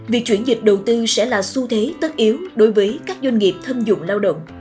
việc chuyển dịch đầu tư sẽ là xu thế tất yếu đối với các doanh nghiệp thâm dụng lao động